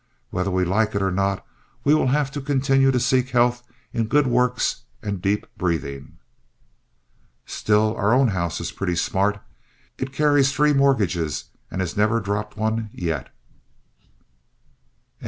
Whether we like it or not we will have to continue to seek health in good works and deep breathing. Still, our own house is pretty smart. It carries three mortgages and has never dropped one yet. Shush!